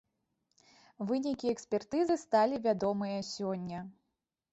Вынікі экспертызы сталі вядомыя сёння.